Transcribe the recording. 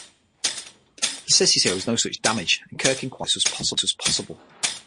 The city shows no such damage, and Kirk inquires how this was possible.